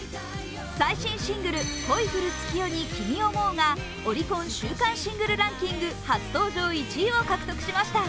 最新シングル「恋降る月夜に君想ふ」がオリコン週間シングルランキング初登場１位を獲得しました。